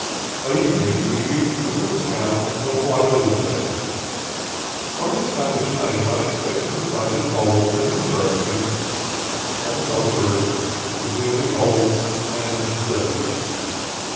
By evening we reached the little town of Guada lupe. From its Spanish name I expected to find it old and interesting: on the contrary, it was merely old and dirty.